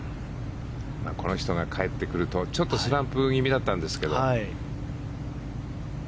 この人が帰ってくると、ちょっとスランプ気味だったんですけど。